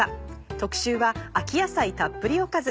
特集は秋野菜たっぷりおかず。